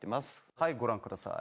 はいご覧ください。